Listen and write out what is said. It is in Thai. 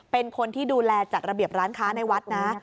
เป็นคนที่ดูแลจัดระเบียบร้านค้าในวัดนะ